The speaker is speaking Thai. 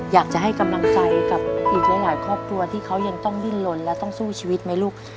อยากจะให้กำลังใจกับอีกหลายครอบครัวที่เขายังต้องดิ้นลนและต้องสู้ชีวิตไหมลูก